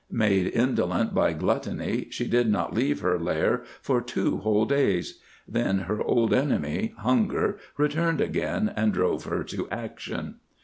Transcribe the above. Made indolent by gluttony, she did not leave her lair for two whole days. Then her old enemy, hunger, returned again, and drove her to action.